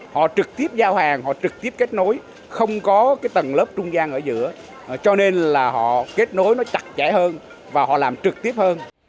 họ trực tiếp giao hàng họ trực tiếp kết nối không có cái tầng lớp trung gian ở giữa cho nên là họ kết nối nó chặt chẽ hơn và họ làm trực tiếp hơn